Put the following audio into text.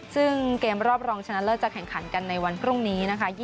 ซึ่งเกมรอบรองชนะเลิศจะแข่งขันกันในวันพรุ่งนี้นะคะ